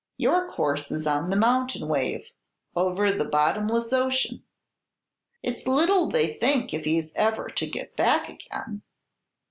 Your course is on the mountain wave, over the bottomless ocean.' It's little they think if he's ever to get back again.